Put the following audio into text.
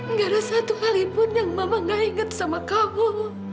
nggak ada satu kalipun yang mama gak inget sama kamu